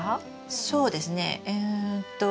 そうですねうんと。